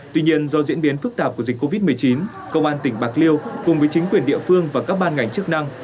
tuy nhiên do diễn biến phức tạp của dịch covid một mươi chín công an tỉnh bạc liêu cùng với chính quyền địa phương và các ban ngành chức năng